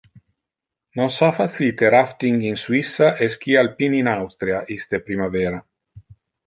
Nos ha facite rafting in Suissa e ski alpin in Austria iste primavera.